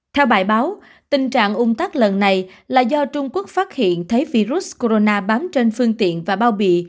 theo bài báo tình trạng ung tắc lần này là do trung quốc phát hiện thấy virus corona bám trên phương tiện và bao bị